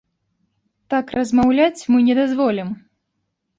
Так размаўляць мы не дазволім.